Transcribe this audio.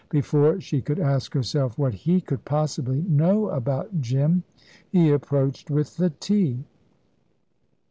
Before she could ask herself what he could possibly know about Jim, he approached with the tea.